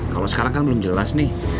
kalau sekarang kan belum jelas nih